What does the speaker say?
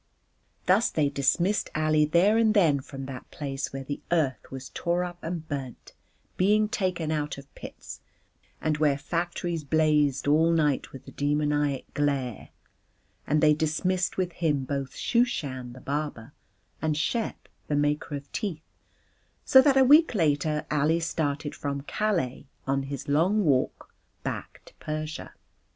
Thus they dismissed Ali there and then from that place where the earth was torn up and burnt, being taken out of pits, and where factories blazed all night with a demoniac glare; and they dismissed with him both Shooshan, the barber, and Shep, the maker of teeth: so that a week later Ali started from Calais on his long walk back to Persia.